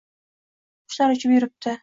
Qushlar uchib yuribdi.